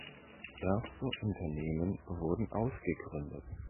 Erste Unternehmen wurden ausgegründet.